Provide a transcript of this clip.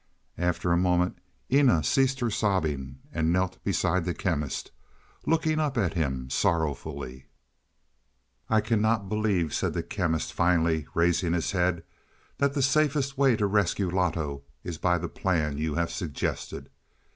After a moment Eena ceased her sobbing and knelt beside the Chemist, looking up at him sorrowfully. "I cannot believe," said the Chemist finally, raising his head, "that the safest way to rescue Loto is by the plan you have suggested."